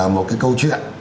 một cái câu chuyện